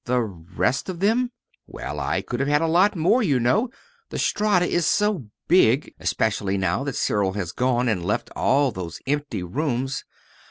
"The rest of them!" "Well, I could have had a lot more, you know, the Strata is so big, especially now that Cyril has gone, and left all those empty rooms.